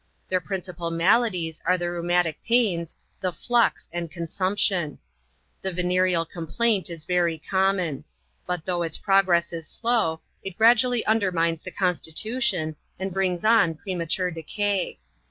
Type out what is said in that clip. Their principal maladies are the rheumatic pains, the flux and consumption. The vene real complaint is very common; but though its progress is slow, it gradually undermines the constitution, and brings on premature decay.